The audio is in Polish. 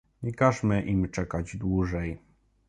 Nie każmy im czekać dłużej